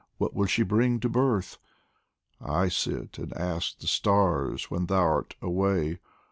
what will she bring to birth ?" I sit and ask the stars when thou'rt away.